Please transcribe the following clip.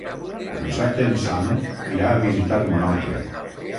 Dissabte en Sam irà a visitar mon oncle.